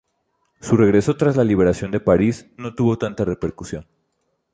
Su regreso tras la liberación de París, no tuvo tanta repercusión.